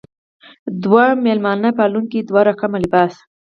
دوه مېلمه پالونکې دوه رقمه لباس.